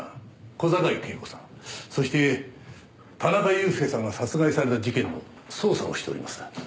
小坂井恵子さんそして田中裕介さんが殺害された事件の捜査をしております。